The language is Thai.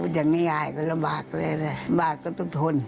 อย่างนี้ยายก็ลำบากเลยแหละบาดก็ต้องทน